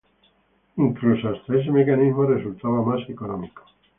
Incluso, hasta ese mecanismo resultaba más económico.